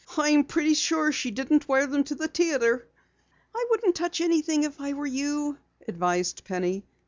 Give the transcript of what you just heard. "I am pretty sure she didn't wear them to the theatre." "I wouldn't touch anything if I were you," advised Penny.